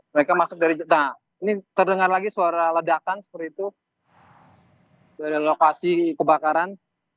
mereka masuk dari nah ini terdengar lagi suara ledakan seperti itu dari lokasi kebakaran